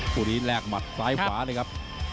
เขาเนี่ยแรกหมาดซ้ายขวาเลยครับ